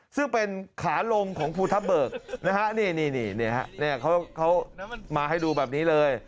ซึ่งเป็นขาลงของภูทับเบิกนะฮะนี่เขามาให้ดูแบบนี้เลย